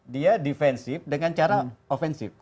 dia defensif dengan cara ofensif